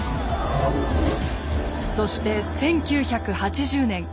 そして１９８０年。